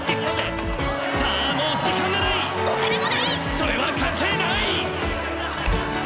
それは関係ない！